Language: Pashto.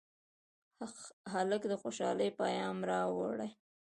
هلک د خوشالۍ پېغام راوړي.